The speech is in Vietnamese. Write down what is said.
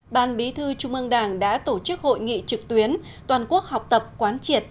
ban bí thư trung ương đảng đã tổ chức hội nghị trực tuyến toàn quốc học tập quán triệt